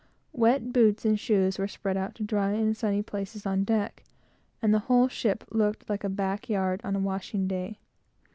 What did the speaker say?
Wet boots and shoes were spread out to dry in sunny places on deck; and the whole ship looked like a back yard on a washing day.